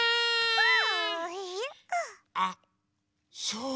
うん！